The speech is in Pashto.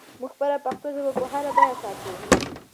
موږ خپله پښتو ژبه په هره بیه ساتو.